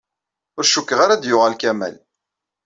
Ur cukkteɣ ara ad d-yuɣal Kamal.